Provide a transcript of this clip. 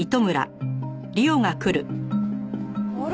あれ？